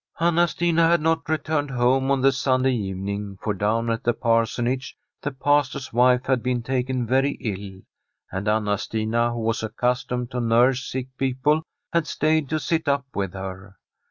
Anna Stina had not returned home on the Sun day evening, for down at the Parsonage the Pas tor's wife had been taken very ill, and Anna Stina, who was accustomed to nurse sick people, had stayed to sit up with her.